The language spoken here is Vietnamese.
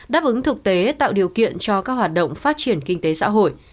đáp ứng thực tế tạo điều kiện cho các hoạt động phát triển kinh tế xã hội